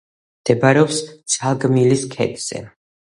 მდებარეობს ცალგმილის ქედზე.